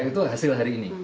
itu hasil hari ini